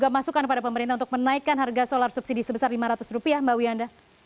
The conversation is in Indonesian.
masukkan kepada pemerintah untuk menaikkan harga solar subsidi sebesar lima ratus rupiah mbak wiana